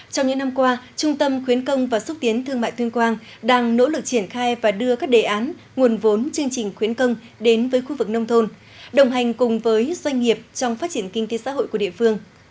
trong những năm qua trung tâm khuyến công và xúc tiến thương mại tuyên quang đang nỗ lực triển khai và đưa các đề án nguồn vốn chương trình khuyến công đến với khu vực nông thôn đồng hành cùng với doanh nghiệp trong phát triển kinh tế xã hội của địa phương